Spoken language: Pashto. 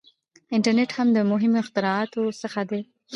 • انټرنېټ هم د مهمو اختراعاتو څخه دی.